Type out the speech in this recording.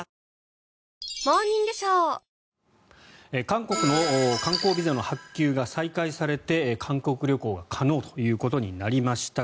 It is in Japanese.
韓国の観光ビザの発給が再開されて韓国旅行が可能ということになりました。